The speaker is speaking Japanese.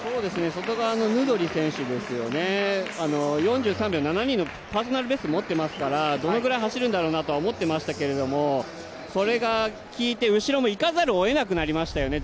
外側のヌドリ選手ですよね、４３秒７２のパーソナルベスト持っていますからパーソナルベストを持っていますからどのくらい走るんだろうかと思っていたんですけれども、それがきいて、後ろも行かざるをいなくなりましたよね。